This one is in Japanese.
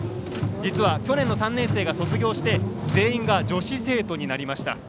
実は去年の３年生が卒業して全員が女子生徒になりました。